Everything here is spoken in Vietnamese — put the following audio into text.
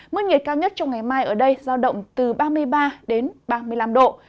mức nhiệt cao nhất trong ngày mai ở đây giao động từ ba mươi ba đến ba mươi năm độ